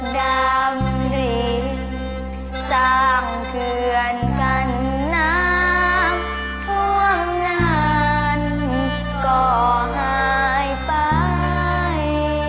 ดำริสสร้างเถื่อนกันน้ำท่วมนานก็หายไป